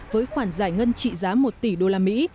với khoản giải ngân trị giá một tỷ đô la mỹ